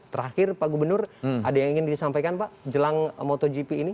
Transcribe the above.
terakhir pak gubernur ada yang ingin disampaikan pak jelang motogp ini